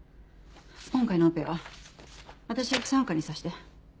今回のオペは私不参加にさせて。